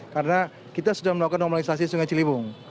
karena kita sudah melakukan normalisasi sungai ciliwung